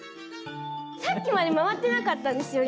さっきまで回ってなかったんですよ。